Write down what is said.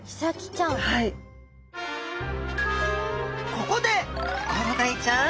ここでコロダイちゃん